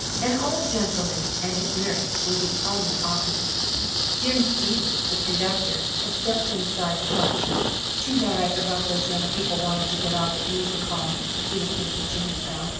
An old gentleman and his nurse were the only occupants. Jim Stevens, the conductor, had stepped inside the car. "Too bad I forgot those young people wanted to get off at Music Hall," he was thinking to himself.